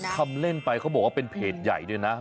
ทำเล่นไปเขาบอกว่าเป็นเพจใหญ่ด้วยนะ